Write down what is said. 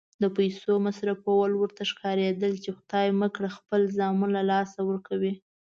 د پیسو مصرفول ورته ښکارېدل چې خدای مه کړه خپل زامن له لاسه ورکوي.